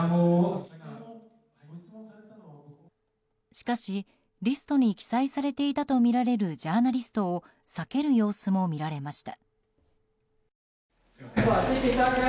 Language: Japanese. しかし、リストに記載されていたとみられるジャーナリストを避ける様子も見られました。